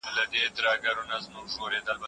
يا به څوك وي چا وهلي يا وژلي